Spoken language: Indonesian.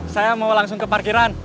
saya mau langsung ke parkiran